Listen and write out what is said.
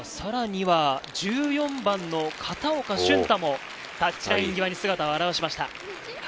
さらには１４番の片岡駿太もタッチライン際に姿を現しました。